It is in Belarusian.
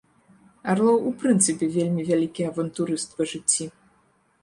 Арлоў у прынцыпе вельмі вялікі авантурыст па жыцці.